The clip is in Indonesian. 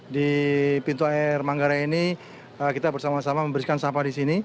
di pintu air manggarai ini kita bersama sama memberikan sampah di sini